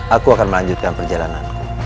aku akan melanjutkan perjalananku